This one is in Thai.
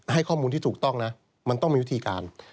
ให้ข้อมูลที่ถูกต้องนะมันต้องมีวิธีการ